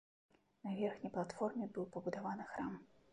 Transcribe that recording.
На верхняй платформе быў пабудаваны храм.